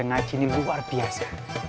ngaji ini luar biasa